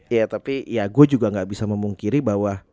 ya tapi ya gua juga gak bisa memungkiri bahwa